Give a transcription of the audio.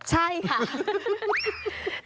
ใช่ค่ะ